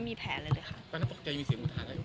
มีแผดหรือเปลี่ยน